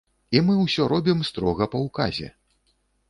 І мы ўсё робім строга па ўказе.